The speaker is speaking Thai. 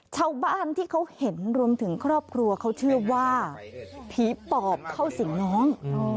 ชาวบ้านที่เขาเห็นรวมถึงครอบครัวเขาเชื่อว่าผีปอบเข้าสิ่งน้อง